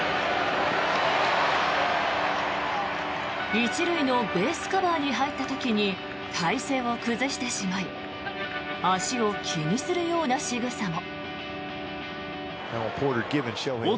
１塁のベースカバーに入った時に体勢を崩してしまい足を気にするようなしぐさも。